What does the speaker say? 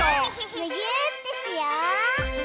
むぎゅーってしよう！